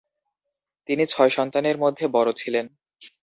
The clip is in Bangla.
তিনি ছয় সন্তানের মধ্যে বড় ছিলেন।